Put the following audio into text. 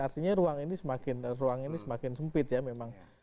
artinya ruang ini semakin ruang ini semakin sempit ya memang